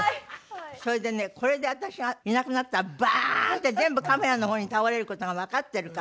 それでねこれで私がいなくなったらバンって全部カメラの方に倒れることが分かってるから。